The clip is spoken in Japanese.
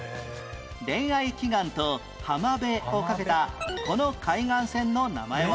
恋愛祈願と浜辺をかけたこの海岸線の名前は？